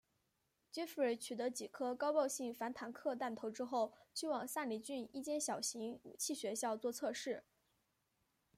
杰佛瑞取得几颗高爆性反坦克弹头之后去往萨里郡一间小型武器学校作测试。